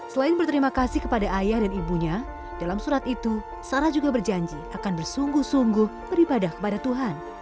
selain berterima kasih kepada ayah dan ibunya dalam surat itu sarah juga berjanji akan bersungguh sungguh beribadah kepada tuhan